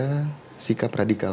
apakah ada sikap radikal